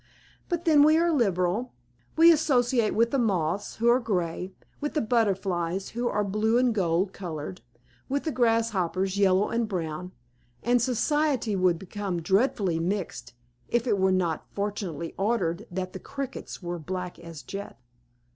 But then we are liberal; we associate with the Moths, who are gray; with the Butterflies, who are blue and gold colored; with the Grasshoppers, yellow and brown; and society would become dreadfully mixed if it were not fortunately ordered that the Crickets are black as jet.